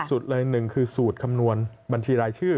สูตรเลยหนึ่งคือสูตรคำนวณบัญชีรายชื่อ